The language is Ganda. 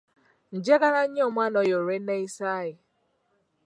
Njagala nnyo omwana oyo olw'enneeyisa ye.